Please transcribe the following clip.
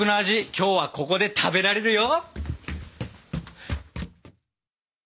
今日はここで食べられるよ。